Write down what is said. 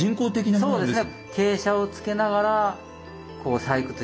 そうですね。